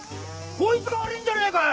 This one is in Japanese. こいつが悪いんじゃねえかよ！